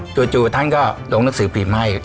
จู่ท่านก็ลงนักศึกภีร์ไห้